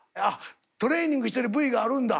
トレーニングしてるＶがあるんだ。